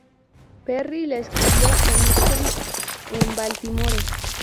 Perry le escribió a Nixon en Baltimore.